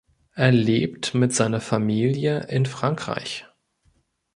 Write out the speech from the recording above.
Er lebt mit seiner Familie in Frankreich.